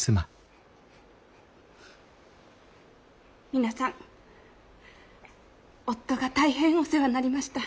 皆さん夫が大変お世話になりました。